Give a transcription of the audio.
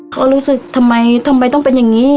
เขารู้สึกทำไมทำไมต้องเป็นอย่างนี้